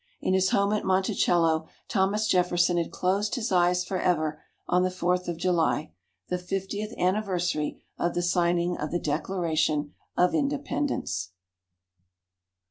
In his home at Monticello, Thomas Jefferson had closed his eyes for ever on the Fourth of July, the fiftieth anniversary of the Signing of the Declaration of Independence.